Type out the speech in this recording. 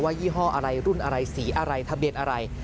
ยี่ห้ออะไรรุ่นอะไรสีอะไรทะเบียนอะไร